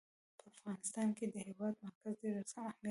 په افغانستان کې د هېواد مرکز ډېر اهمیت لري.